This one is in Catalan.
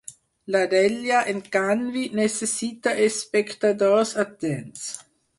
La d'ella, en canvi, necessita espectadors atents.